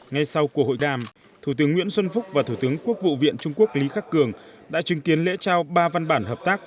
ngay sau cuộc hội đàm thủ tướng nguyễn xuân phúc và thủ tướng quốc vụ viện trung quốc lý khắc cường đã chứng kiến lễ trao ba văn bản hợp tác